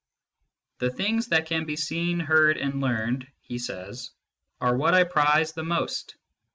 " The things that can be seen, heard, and learned/ he says, " are what I prize the most."